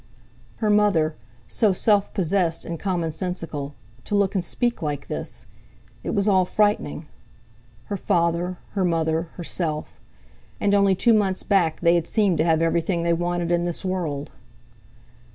Her mother—so self possessed, and commonsensical—to look and speak like this! It was all frightening! Her father, her mother, herself! And only two months back they had seemed to have everything they wanted in this world.